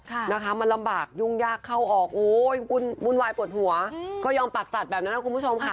มันลำบากยุ่งยากเข้าออกวุ่นวายปวดหัวก็ยอมปักจัดแบบนั้นนะคุณผู้ชมค่ะ